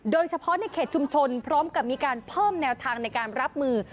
โดยเฉพาะในเขตชุมชนพร้อมกับมีการเพิ่มแนวทางในการรับมือ